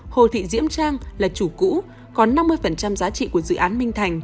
hồ thị diễm trang là chủ cũ có năm mươi giá trị của dự án minh thành